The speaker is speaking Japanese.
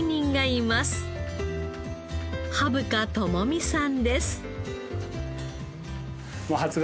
羽深知己さんです。